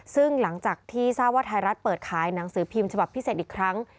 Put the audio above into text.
ซึ่งหลังจากที่ทราบว่าไทยรัฐเปิดขายหนังสือพิมพ์ฉบับพิเศษอีกครั้ง